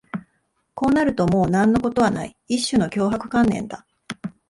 こうなるともう何のことはない、一種の脅迫観念だ